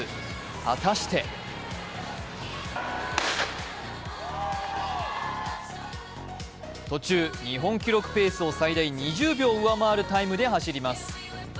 果たして途中、日本記録ペースを最大２０秒上回るタイムで走ります。